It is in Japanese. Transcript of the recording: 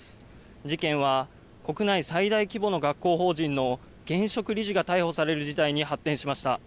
事件は国内最大規模の学校法人の現職理事が逮捕される事態に発展しました。